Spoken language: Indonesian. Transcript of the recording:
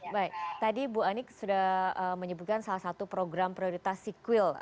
baik tadi bu anik sudah menyebutkan salah satu program prioritas siqwil